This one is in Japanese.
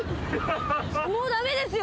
もう駄目ですよ。